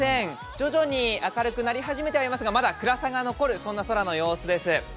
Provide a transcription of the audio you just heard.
徐々に明るくなり始めてはいますがまだ暗さが残る、そんな空の様子です。